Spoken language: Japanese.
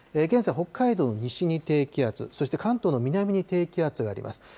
現在、北海道の西に低気圧、そして関東の南に低気圧があります。